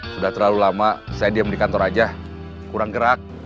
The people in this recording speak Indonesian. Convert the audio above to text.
sudah terlalu lama saya diam di kantor aja kurang gerak